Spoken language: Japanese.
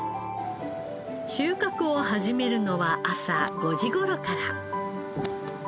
収穫を始めるのは朝５時頃から。